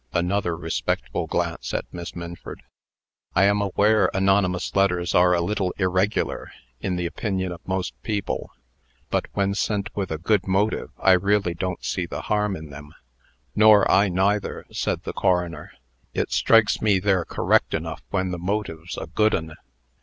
(Another respectful glance at Miss Minford.) "I am aware anonymous letters are a little irregular, in the opinions of most people. But, when sent with a good motive, I really don't see the harm in them." "Nor I neither," said the coroner. "It strikes me they're correct enough when the motive's a good 'un."